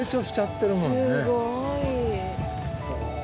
すごい！